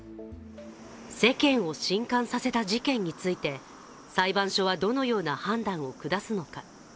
世間を震撼させた事件について裁判所はどのような判断を下すのか。